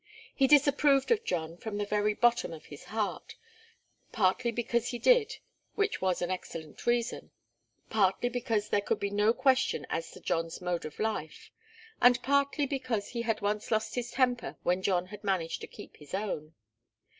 He disapproved of John from the very bottom of his heart, partly because he did, which was an excellent reason, partly because there could be no question as to John's mode of life, and partly because he had once lost his temper when John had managed to keep his own.